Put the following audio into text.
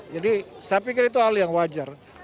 jadi saya pikir itu hal yang wajar